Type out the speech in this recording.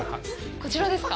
こちらですか。